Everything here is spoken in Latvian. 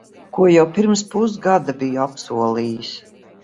Ko jau pirms pusgada biju apsolījis.